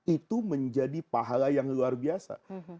itu menjadi pahala yang luar biasa